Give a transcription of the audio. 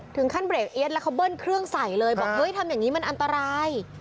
ขั้นเรกเอี๊ดแล้วเขาเบิ้ลเครื่องใส่เลยบอกเฮ้ยทำอย่างนี้มันอันตราย